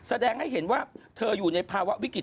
แสดงให้เห็นว่าเธออยู่ในภาวะวิกฤต